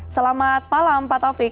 selamat malam pak taufik